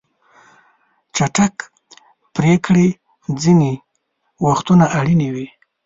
چټک پریکړې ځینې وختونه اړینې وي.